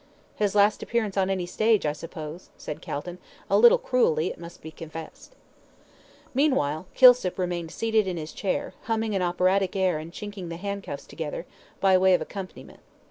"His last appearance on any stage, I suppose," said Calton, a little cruelly, it must be confessed. Meanwhile, Kilsip remained seated in his chair, humming an operatic air and chinking the handcuffs together, by way of accompaniment.